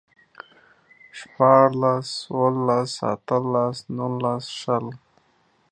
شپاړلس، اوولس، اتلس، نولس، شل